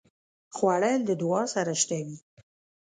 خوړل د دعا سره شته وي